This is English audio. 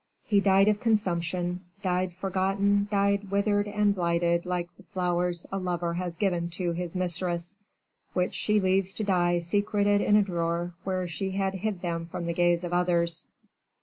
"He died of consumption, died forgotten, died withered and blighted like the flowers a lover has given to his mistress, which she leaves to die secreted in a drawer where she had hid them from the gaze of others."